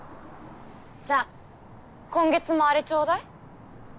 じゃあ今月もあれちょうだい。